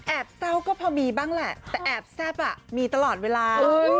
เศร้าก็พอมีบ้างแหละแต่แอบแซ่บมีตลอดเวลา